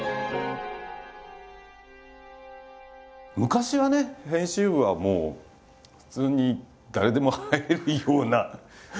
昔はね編集部はもう普通に誰でも入れるような。